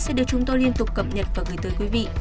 sẽ được chúng tôi liên tục cập nhật và gửi tới quý vị